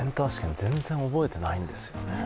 全然覚えてないんですよね。